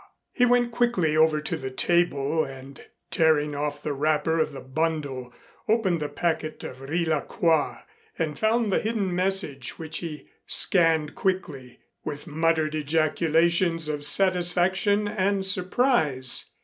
He went quickly over to the table and tearing off the wrapper of the bundle opened the packet of Riz la Croix and found the hidden message which he scanned quickly, with muttered ejaculations of satisfaction and surprise.